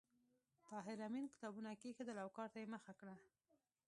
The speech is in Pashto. طاهر آمین کتابونه کېښودل او کار ته یې مخه کړه